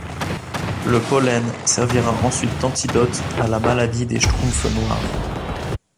Le pollen servira ensuite d'antidote à la maladie des Schtroumpfs noirs.